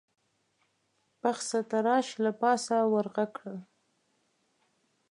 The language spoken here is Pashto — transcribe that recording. پخڅه تراش له پاسه ور غږ کړل: